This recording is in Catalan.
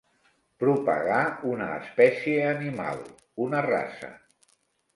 Propagar una espècie animal, una raça.